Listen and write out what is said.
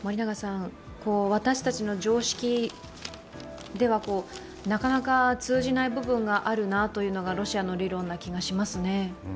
私たちの常識では、なかなか通じない部分があるなというのがロシアの理論な気がしますね。